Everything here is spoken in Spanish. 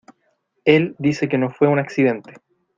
Él dice que no fue un accidente.